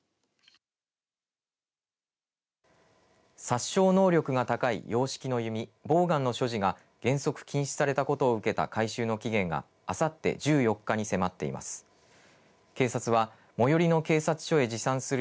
殺傷能力が高い洋式の弓、ボーガンの所持が原則、禁止されたことを受けた回収の期限があさって１４日に迫っています。